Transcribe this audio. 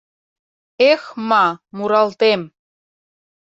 Эх-ма, муралтем